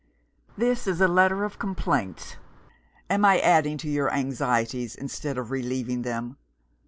"This is a letter of complaints. Am I adding to your anxieties instead of relieving them?